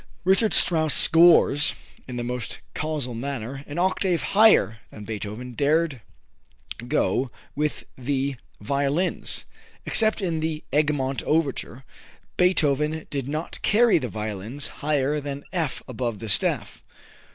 Richard Strauss scores, in the most casual manner, an octave higher than Beethoven dared go with the violins. Except in the "Egmont" overture, Beethoven did not carry the violins higher than F above the staff.